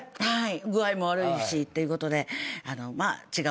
具合も悪いしっていうことで。